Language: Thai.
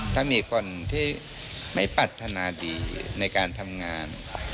ถ้ามีคนที่ไม่ปรัฐนาดีในการทำงาน